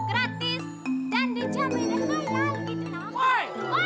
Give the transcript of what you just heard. gratis dan dijamai dan khayal